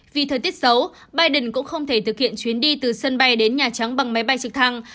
vì thời tiết xấu biden cũng không thể thực hiện chuyến đi từ sân bay đến nhà trắng bằng máy bay trực thăng